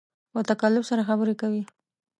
په تکلف سره خبرې کوې